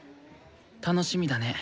楽しみだね。